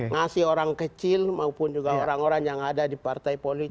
ngasih orang kecil maupun juga orang orang yang ada di partai politik